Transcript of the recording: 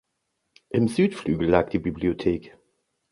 Im Südflügel lag die Bibliothek.